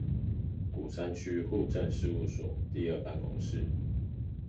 鼓山區戶政事務所第二辦公處